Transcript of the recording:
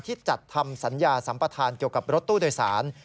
จัดทำสัญญาสัมปทานเกี่ยวกับรถตู้โดยสาร